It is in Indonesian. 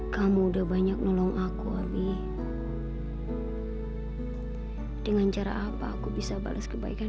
kamu betul betul baik